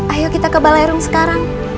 ayo kita ke balai rung sekarang